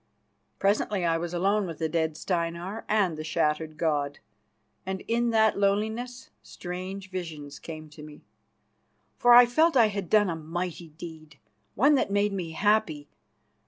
Presently I was alone with the dead Steinar and the shattered god, and in that loneliness strange visions came to me, for I felt that I had done a mighty deed, one that made me happy.